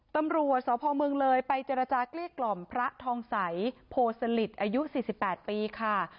ตำรัวสวพเมืองเลยไปเจรจากลี้กล่อมพระทองสัยโพธิ์สลิตอายุสี่สิบแปดปีค่ะ